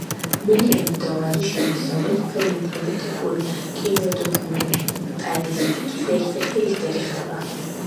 მილიონი დოლარის შემოსავლით ფილმი პოლიტიკური კინოდოკუმენტალისტიკის ერთ-ერთი ლიდერი ხდება.